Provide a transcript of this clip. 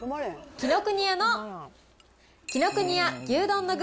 紀ノ国屋の紀ノ国屋牛丼の具